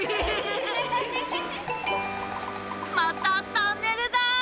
またトンネルだ。